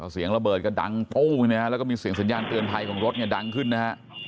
เสียงระเบิดก็ดังปุ้งนะฮะแล้วก็มีเสียงสัญญาณเตือนภัยของรถเนี่ยดังขึ้นนะฮะ